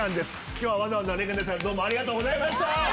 今日はわざわざ煉瓦亭さんどうもありがとうございました。